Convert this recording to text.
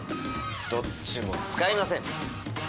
どっちも使いません！